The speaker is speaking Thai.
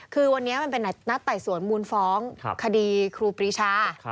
คือวันนี้มันเป็นนัดไต่สวนมูลฟ้องคดีครูปรีชา